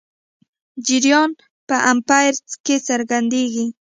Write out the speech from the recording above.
جریان په امپیر کې څرګندېږي.